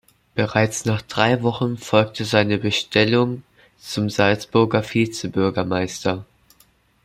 Bereits nach drei Wochen folgte seine Bestellung zum Salzburger Vize-Bürgermeister.